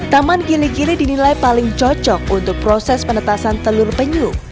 taman gili gili dinilai paling cocok untuk proses penetasan telur penyu